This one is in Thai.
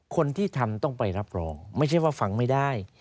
คนที่ทำต้องไปรับรองไม่ใช่ว่าฟังไม่ได้